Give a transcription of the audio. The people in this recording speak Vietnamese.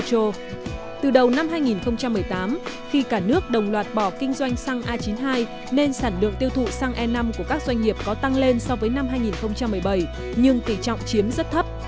từ đầu năm hai nghìn một mươi tám khi cả nước đồng loạt bỏ kinh doanh xăng a chín mươi hai nên sản lượng tiêu thụ xăng e năm của các doanh nghiệp có tăng lên so với năm hai nghìn một mươi bảy nhưng tỷ trọng chiếm rất thấp